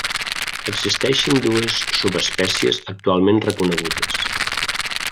Existeixen dues subespècies actualment reconegudes.